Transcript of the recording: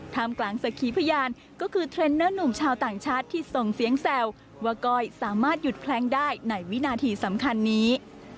กลางสักขีพยานก็คือเทรนเนอร์หนุ่มชาวต่างชาติที่ส่งเสียงแซวว่าก้อยสามารถหยุดแพล้งได้ในวินาทีสำคัญนี้